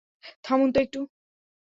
থামুন তো একটু!